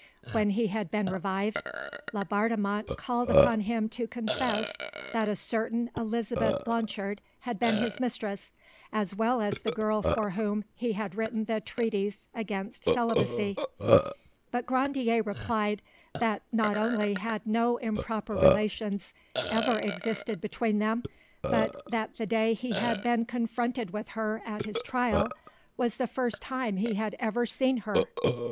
When he had been revived, Laubardemont called upon him to confess that a certain Elisabeth Blanchard had been his mistress, as well as the girl for whom he had written the treatise against celibacy; but Grandier replied that not only had no improper relations ever existed between them, but that the day he had been confronted with her at his trial was the first time he had ever seen her.